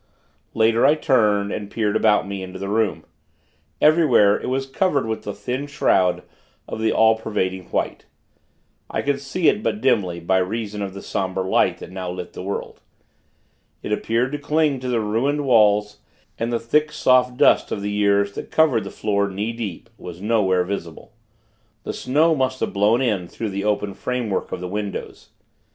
Later, I turned, and peered about me, into the room. Everywhere, it was covered with a thin shroud of the all pervading white. I could see it but dimly, by reason of the somber light that now lit the world. It appeared to cling to the ruined walls; and the thick, soft dust of the years, that covered the floor knee deep, was nowhere visible. The snow must have blown in through the open framework of the windows.